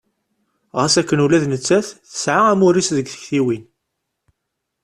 Ɣas akken ula d nettat tesɛa amur-is deg tiktiwin.